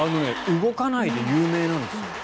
動かないで有名なんですよ。